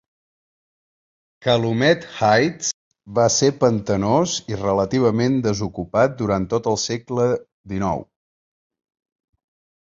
Calumet Heights va ser pantanós i relativament desocupat durant tot el segle XIX.